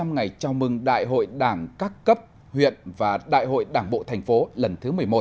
hai trăm linh ngày chào mừng đại hội đảng các cấp huyện và đại hội đảng bộ thành phố lần thứ một mươi một